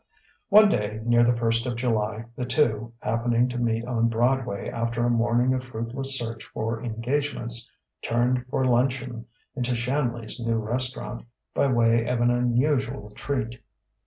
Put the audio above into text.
One day near the first of July the two, happening to meet on Broadway after a morning of fruitless search for engagements, turned for luncheon into Shanley's new restaurant by way of an unusual treat.